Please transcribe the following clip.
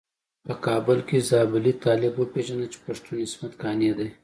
په کابل کې زابلي طالب وپيژانده چې پښتون عصمت قانع دی.